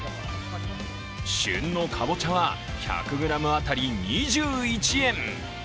旬のかぼちゃは１００ｇ当たり２１円。